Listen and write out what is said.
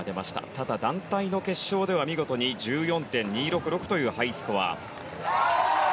ただ、団体の決勝では見事に１４．２６６というハイスコア。